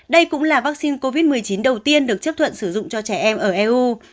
đây cũng là vaccine covid một mươi chín đầu tiên được chấp thuận sử dụng cho trẻ em ở eu